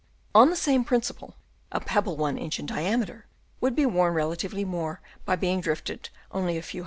On the same principle a pebble " one inch in diameter would be worn re " latively more by being drifted only a few Chap.